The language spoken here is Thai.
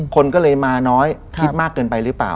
คนก็เลยมาน้อยคิดมากเกินไปหรือเปล่า